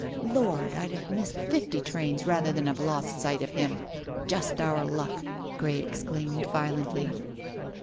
"Lord! I'd have missed fifty trains rather than have lost sight of him. Just our luck," Grey exclaimed violently.